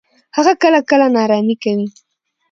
هغه کله کله ناړامي کوي.